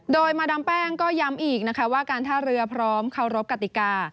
โดยมาดามแป้งก็ย้ำอีกนะคะว่าการท่าเรือพร้อมเคารพกติกา